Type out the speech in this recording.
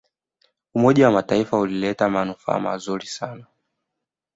umoja wa mataifa ulileta manufaa mazuri sana